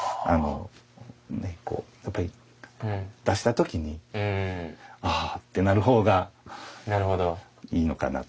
やっぱり出した時に「ああ！」ってなる方がいいのかなと。